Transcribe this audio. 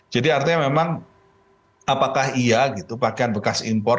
jadi artinya memang apakah iya gitu pakaian bekas impor